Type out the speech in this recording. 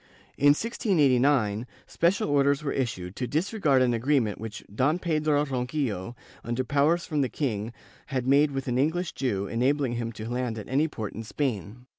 ^ In 1689, special orders were issued to dis regard an agreement which Don Pedro Ronquillo, under powers from the king, had made with an English Jew, enabling him to land at any port in Spain.